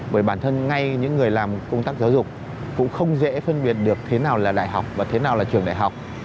bởi bản thân ngay những người làm công tác giáo dục cũng không dễ phân biệt được thế nào là đại học và thế nào là trường đại học